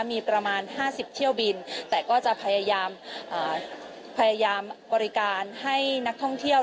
มีประมาณ๕๐เที่ยวบินแต่ก็จะพยายามบริการให้นักท่องเที่ยว